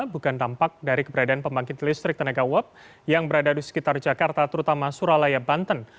bukan dampak dari keberadaan pembangkit listrik tenaga uap yang berada di sekitar jakarta terutama suralaya banten